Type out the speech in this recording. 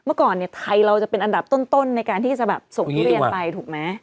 เมื่อก่อนเนี่ยไทยเราจะเป็นอันดับต้นในการที่จะแบบส่งทุเรียนไปถูกไหม